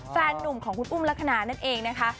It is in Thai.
หนุ่มของคุณอุ้มลักษณะนั่นเองนะคะ